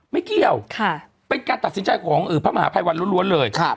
ไม่เกี่ยวเป็นการตัดสินใจของพระมหาภัยวันล้วนเลย